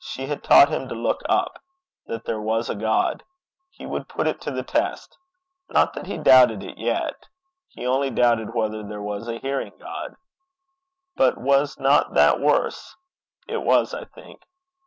She had taught him to look up that there was a God. He would put it to the test. Not that he doubted it yet: he only doubted whether there was a hearing God. But was not that worse? It was, I think.